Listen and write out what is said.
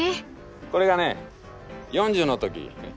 これがね４０の時。